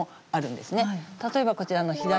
例えばこちらの左側。